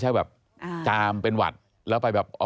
พบหน้าลูกแบบเป็นร่างไร้วิญญาณ